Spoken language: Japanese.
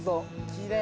きれい。